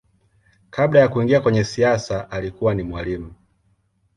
Kabla ya kuingia kwenye siasa alikuwa ni mwalimu.